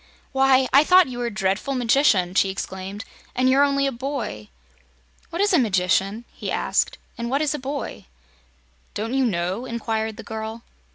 "Why, I thought you were a dreadful magician," she exclaimed, "and you're only a boy!" "What is a magician?" he asked, "and what is a boy?" "Don't you know?" inquired the girl.